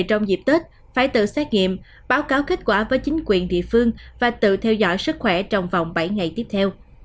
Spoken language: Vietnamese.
trong dịp tết phải tự xét nghiệm báo cáo kết quả với chính quyền địa phương và tự theo dõi sức khỏe trong vòng bảy ngày tiếp theo